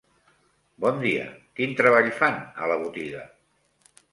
Bon dia, quin treball fan a la botiga?